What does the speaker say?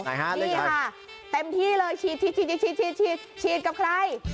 นี่ค่ะเต็มที่เลยฉีดฉีดกับใคร